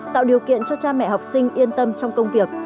tạo điều kiện cho cha mẹ học sinh yên tâm trong công việc